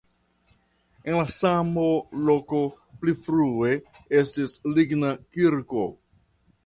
En la samo loko pli frue estis ligna kirko.